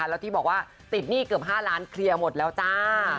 แล้วที่บอกว่าติดหนี้เกือบ๕ล้านเคลียร์หมดแล้วจ้า